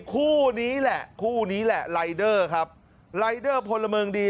คู่นี้แหละคู่นี้แหละรายเดอร์ครับรายเดอร์พลเมิงดี